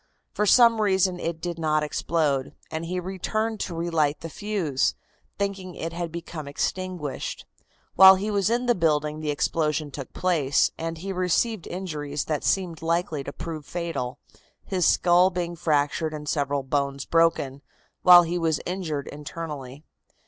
For some reason it did not explode, and he returned to relight the fuse, thinking it had become extinguished. While he was in the building the explosion took place, and he received injuries that seemed likely to prove fatal, his skull being fractured and several bones broken, while he was injured internally.